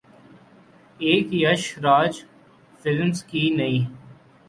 ایک ’یش راج فلمز‘ کی نئی